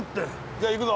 じゃあ行くぞ。